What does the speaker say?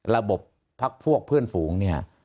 พักพวกเพื่อนฝูงเนี่ย